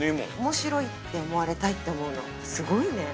面白いって思われたいって思うのすごいね。